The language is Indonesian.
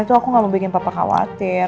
itu aku gak mau bikin papa khawatir